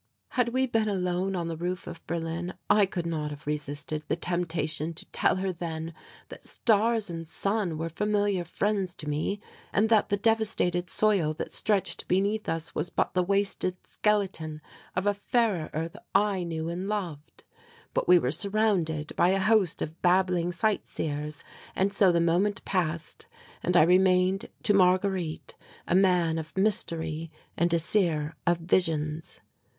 Had we been alone on the roof of Berlin, I could not have resisted the temptation to tell her then that stars and sun were familiar friends to me and that the devastated soil that stretched beneath us was but the wasted skeleton of a fairer earth I knew and loved. But we were surrounded by a host of babbling sightseers and so the moment passed and I remained to Marguerite a man of mystery and a seer of visions.